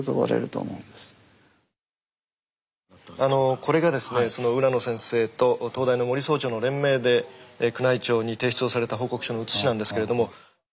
これがですねその浦野先生と東大の森総長の連名で宮内庁に提出をされた報告書の写しなんですけれども。